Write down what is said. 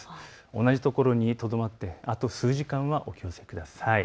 同じ所にとどまってあと数時間はお気をつけください。